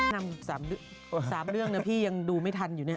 นำ๓เรื่องนะพี่ยังดูไม่ทันอยู่เนี่ย